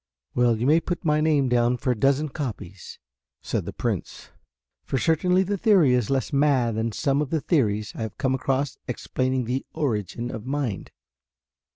"Well, you may put my name down for a dozen copies," said the Prince, "for certainly the theory is less mad than some of the theories I have come across explaining the origin of mind."